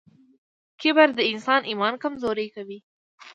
کبر د انسان ایمان کمزوری کوي.